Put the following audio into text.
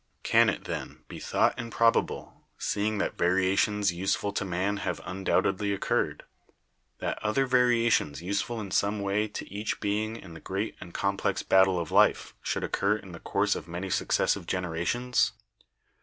"Can it, then, be thought improbable, seeing that varia tions useful to man have undoubtedly occurred, that other variations useful in some way to each being in the great and complex battle of life should occur in the course of many successive generations?